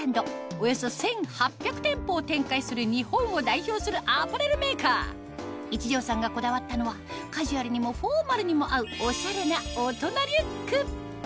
およそ１８００店舗を展開する日本を代表するアパレルメーカー壱城さんがこだわったのはカジュアルにもフォーマルにも合うオシャレな大人リュック